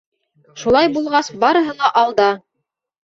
Шулай булғас, барыһы ла — алда!